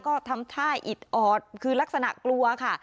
ก็ทำท่าอิดออดคือลักษณะกลัวค่ะ